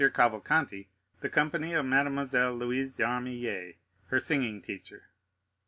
Cavalcanti the company of Mademoiselle Louise d'Armilly, her singing teacher.